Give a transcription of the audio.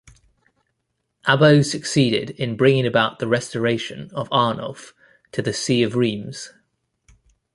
Abbo succeeded in bringing about the restoration of Arnulf to the see of Reims.